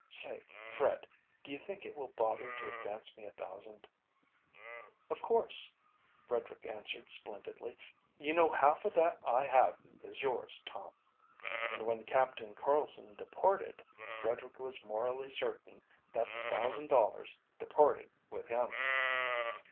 "Say, Fred, do you think it will bother to advance me a thousand?" "Of course," Frederick answered splendidly. "You know half of that I have is yours, Tom." And when Captain Carlsen departed, Frederick was morally certain that the thousand dollars departed with him.